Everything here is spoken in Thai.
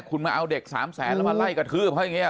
คุณมาเอาเด็ก๓แสนมาไล่กระทืบกับพวกนี้